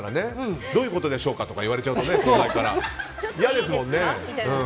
どういうことでしょうかとか言われちゃうと怖いから嫌ですもんね。